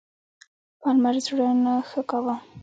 پالمر زړه نه ښه کاوه.